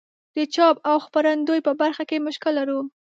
د چاپ او خپرندوی په برخه کې مشکل لرو.